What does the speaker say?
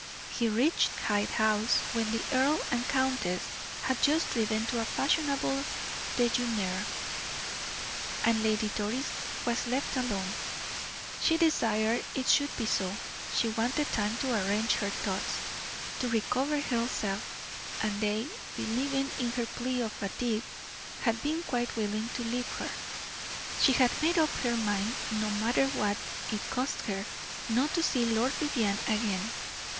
He reached Hyde House when the earl and countess had just driven to a fashionable dejeuner, and Lady Doris was left alone; she desired it should be so; she wanted time to arrange her thoughts, to recover herself; and they, believing in her plea of fatigue, had been quite willing to leave her. She had made up her mind, no matter what it cost her, not to see Lord Vivianne again.